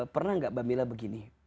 pernah nggak mbak mila begini